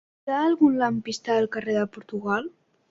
Hi ha algun lampista al carrer de Portugal?